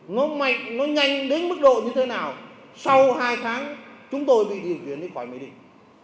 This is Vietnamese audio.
nó nhanh đến mức độ như thế nào sau hai tháng chúng tôi bị điều chuyển ra khỏi mỹ đình